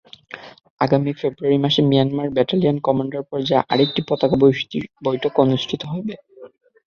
আগামী ফেব্রুয়ারি মাসে মিয়ানমারে ব্যাটালিয়ন কমান্ডার পর্যায়ে আরেকটি পতাকা বৈঠক অনুষ্ঠিত হবে।